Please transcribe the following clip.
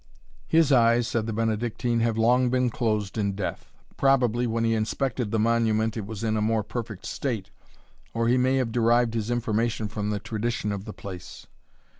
"His eyes," said the Benedictine, "have long been closed in death; probably when he inspected the monument it was in a more perfect state, or he may have derived his information from the tradition of the place."